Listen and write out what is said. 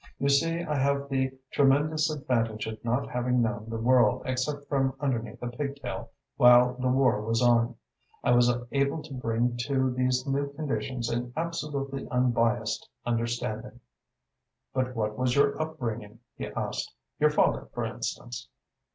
You see, I have the tremendous advantage of not having known the world except from underneath a pigtail, while the war was on. I was able to bring to these new conditions an absolutely unbiassed understanding." "But what was your upbringing?" he asked. "Your father, for instance?"